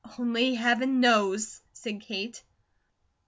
"Only Heaven knows," said Kate.